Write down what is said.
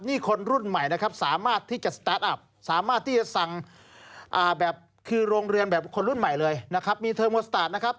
นี่คนรุ่นใหม่นะครับสามารถที่จะสตาร์ทอัพสามารถที่จะสั่งแบบคือโรงเรือนแบบคนรุ่นใหม่เลยนะครับมีเทอร์โมนสตาร์ทนะครับ